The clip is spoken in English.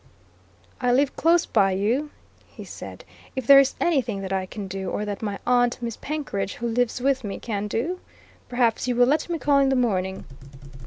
"I live close by you," he said. "If there is anything that I can do, or that my aunt Miss Penkridge, who lives with me, can do? Perhaps you will let me call in the morning."